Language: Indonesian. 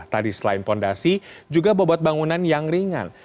tadi selain fondasi juga bobot bangunan yang ringan